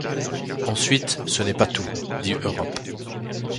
Ensuite, ce n’est pas tout, dit Europe.